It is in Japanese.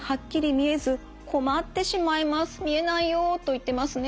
見えないよと言ってますね。